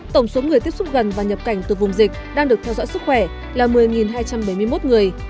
tổng số người tiếp xúc gần và nhập cảnh từ vùng dịch đang được theo dõi sức khỏe là một mươi hai trăm bảy mươi một người